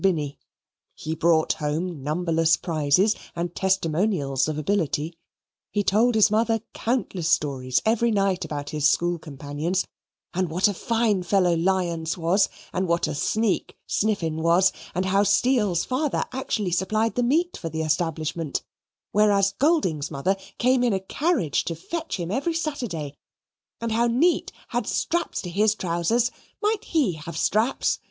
Binny. He brought home numberless prizes and testimonials of ability. He told his mother countless stories every night about his school companions: and what a fine fellow Lyons was, and what a sneak Sniffin was, and how Steel's father actually supplied the meat for the establishment, whereas Golding's mother came in a carriage to fetch him every Saturday, and how Neat had straps to his trowsers might he have straps?